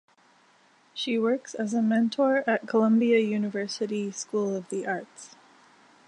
She works as a mentor at Columbia University School of the Arts.